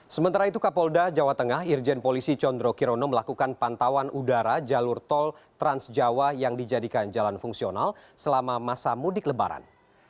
sementara itu kapolda jawa tengah irjen polisi condro kirono melakukan pantauan udara jalur tol transjawa yang dijadikan jalan fungsional selama masa mudik lebaran